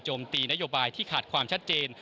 ตีนโยบายที่ขาดความชัดเจน